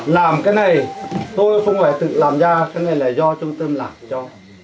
làm cái này tôi không phải tự làm ra cái này là do trung tâm làm cho